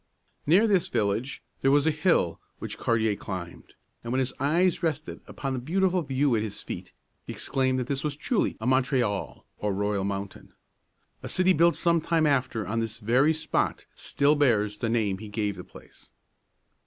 [Illustration: Niagara Falls.] Near this village there was a hill which Cartier climbed, and when his eyes rested upon the beautiful view at his feet, he exclaimed that this was truly a Mont re al´, or royal mountain. A city built some time after on this very spot still bears the name he gave the place.